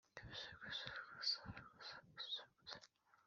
ngiye mu biro byo ngo ampe amabwiriza